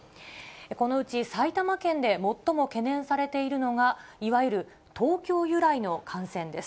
このうち、埼玉県で最も懸念されているのが、いわゆる東京由来の感染です。